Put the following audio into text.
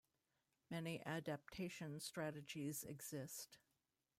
Many adaptation strategies exist.